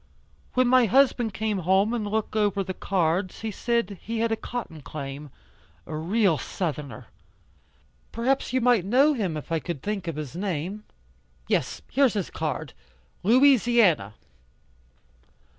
When my husband came home and looked over the cards, he said he had a cotton claim. A real southerner. Perhaps you might know him if I could think of his name. Yes, here's his card Louisiana."